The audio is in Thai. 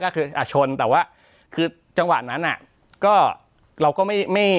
ก็คืออ่ะชนแต่ว่าคือจังหวะนั้นอ่ะก็เราก็ไม่ไม่